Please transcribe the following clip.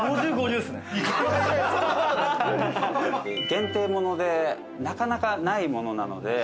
限定ものでなかなかないものなので。